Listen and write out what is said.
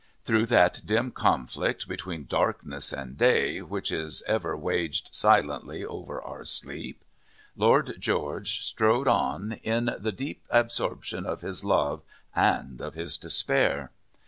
Through that dim conflict between darkness and day, which is ever waged silently over our sleep, Lord George strode on in the deep absorption of his love and of his despair.